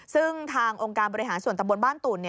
ซึ่งทางองค์การบริหารส่วนตำบลบ้านตุ่น